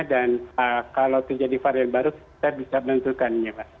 dan kalau itu jadi varian baru kita bisa menentukan